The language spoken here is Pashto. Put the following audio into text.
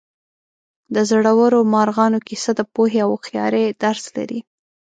د زړورو مارغانو کیسه د پوهې او هوښیارۍ درس لري.